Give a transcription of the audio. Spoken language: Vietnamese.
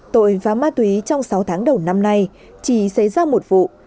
tội và ma túy trong sáu tháng đầu năm nay chỉ xảy ra một vụ